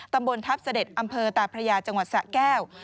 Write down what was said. ตำบลทัพเสด็จอำเภอตาพระยาจังหวัดสะแก้ว